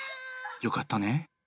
よかったね。